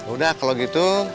udah kalau gitu